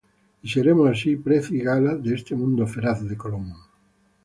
Y seremos así prez y gala De este mundo feraz de Colón.